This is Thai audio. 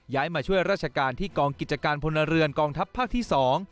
มาช่วยราชการที่กองกิจการพลเรือนกองทัพภาคที่๒